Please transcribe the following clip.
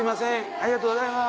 ありがとうございます。